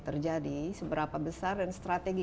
terjadi seberapa besar dan strategi